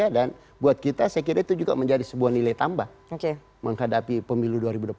dan buat kita saya kira itu juga menjadi sebuah nilai tambah menghadapi pemilu dua ribu dua puluh empat